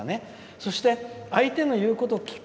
そして相手の言うことを聞く。